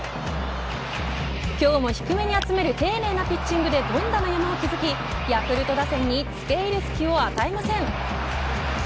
今日も低めに集める丁寧なピッチングで凡打の山を築きヤクルト打線につけ入る隙を与えません。